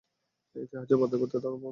ইতিহাসের পাতায় পাতায় তার উপমা বিদ্যমান।